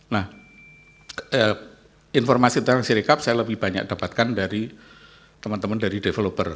nah informasi tentang sirikap saya lebih banyak dapatkan dari teman teman dari developer